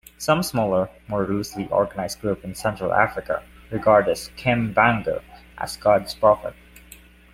Some smaller, more loosely organised groups in Central Africa regard Kimbangu as God's prophet.